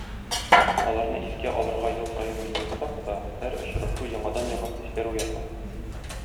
Аларны искә алырга ел саен җыелсак та, һәр очрашу яңадан-яңа хисләр уята.